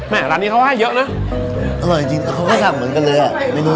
แหละร้านนี้เขาให้เยอะนะอร่อยจริงเขาก็สั่งเหมือนกันเลยอ่ะไม่รู้